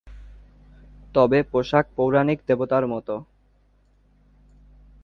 তবে পোশাক পৌরাণিক দেবতার মতো।